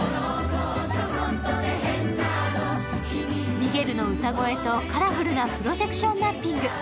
ミゲルの歌声とカラフルなプロジェクションマッピング。